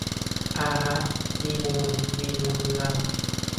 อาฮะ มีมูล มีมูลเมือง